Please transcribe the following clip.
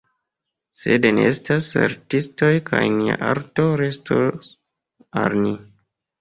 Sed ni estas saltistoj kaj nia arto restos al ni.